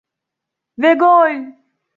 Ve gol!